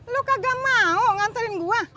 lu kagak mau nganterin gua